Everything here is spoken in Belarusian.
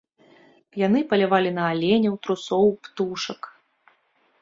Яны палявалі на аленяў, трусоў, птушак.